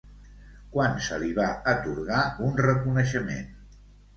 Quan se li va atorgar un reconeixement?